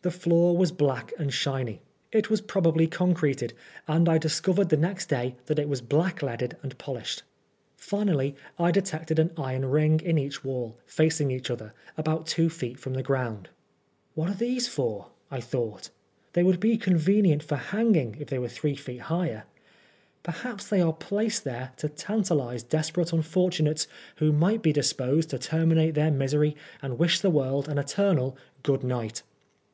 The floor was black and shiny. It was probably concreted, and I discovered the next day that it was blackleaded and polished. Finally I detected an iron ring in each wall, facing each other, about two feet from the ground. " What are these for ?" I thought. " They would be convenient for hanging if they were three feet higher. Perhaps they are placed there to tantalise desperate unfortunates who might be disposed to terminate their misery and wish the world an eternal "Good Night!"